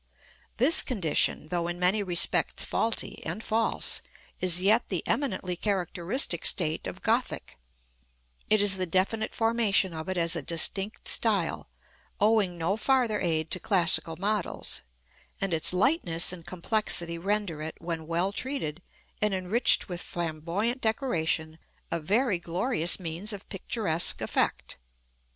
This condition, though in many respects faulty and false, is yet the eminently characteristic state of Gothic: it is the definite formation of it as a distinct style, owing no farther aid to classical models; and its lightness and complexity render it, when well treated, and enriched with Flamboyant decoration, a very glorious means of picturesque effect.